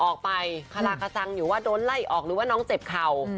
ออกไปกระลากะจะร์อยูววาโดนไล่ออกหรือว่าน้องเจ็บเข่า